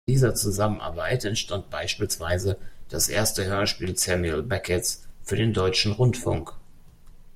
In dieser Zusammenarbeit entstand beispielsweise das erste Hörspiel Samuel Becketts für den deutschen Rundfunk.